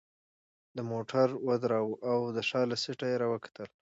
ده موټر ودراوه او د شا له سیټه يې راوکتل.